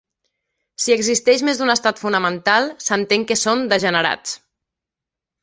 Si existeix més d'un estat fonamental, s'entén que són degenerats.